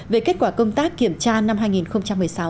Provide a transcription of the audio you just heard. về kết quả công tác kiểm tra năm hai nghìn một mươi sáu